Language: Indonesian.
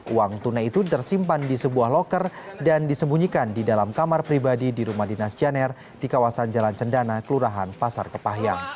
uang tunai itu tersimpan di sebuah loker dan disembunyikan di dalam kamar pribadi di rumah dinas janer di kawasan jalan cendana kelurahan pasar kepahyang